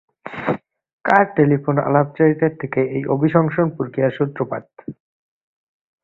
কার telephone আলাপচারিতা থেকে এই অভিশংসন-প্রক্রিয়ার সূত্রপাত?